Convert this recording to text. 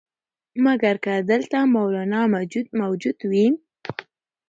مګر که دلته مولنا موجود وي.